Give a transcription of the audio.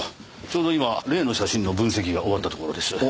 ちょうど今例の写真の分析が終わったところです。